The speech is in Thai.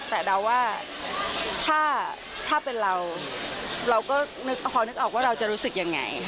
แต่เดาว่าถ้าเป็นเราเราก็พอนึกออกว่าเราจะรู้สึกยังไง